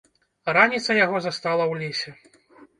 Раніца яго застала ў лесе.